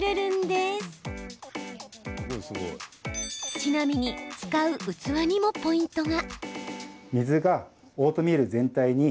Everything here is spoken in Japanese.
ちなみに使う器にもポイントが。